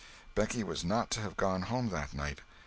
Becky was not to have gone home that night!